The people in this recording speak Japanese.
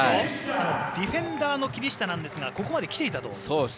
ディフェンダーの霧下ですがここまできていたと。